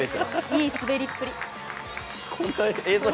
いい滑りっぷり。